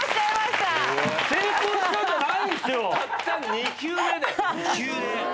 たった２球目で。